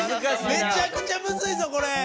めちゃくちゃむずいぞこれ！